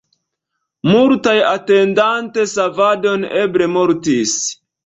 Multaj atendante savadon eble mortis.